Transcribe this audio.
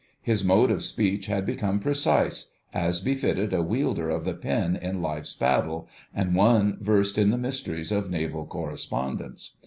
His mode of speech had become precise—as befitted a wielder of the pen in life's battle, and one versed in the mysteries of Naval Correspondence.